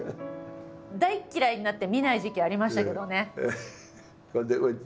大っ嫌いになって見ない時期ありましたけどね。